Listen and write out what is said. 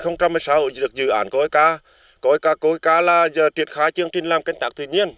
năm hai nghìn một mươi sáu được dự án coica coica là triển khai chương trình làm canh tác tự nhiên